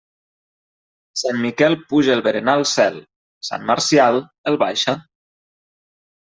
Sant Miquel puja el berenar al cel; sant Marcial el baixa.